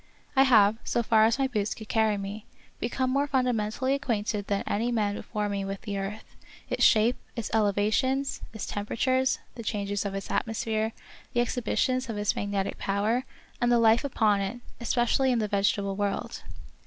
I have, so far as my boots could carry me, become more fundamen tally acquainted than any man before me with the earth, its shape, its elevations, its tempera tures, the changes of its atmosphere, the exhibi tions of its magnetic power, and the life upon it, especially in the vegetable world.